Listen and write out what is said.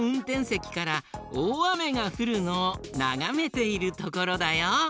せきからおおあめがふるのをながめているところだよ。